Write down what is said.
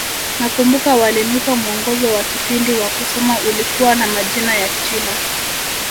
Nakumbuka walinipa mwongozo wa kipindi wa kusoma ulikuwa na majina ya Kichina